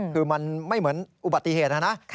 คือมันไม่เหมือนอุบัติเหตุนะนะ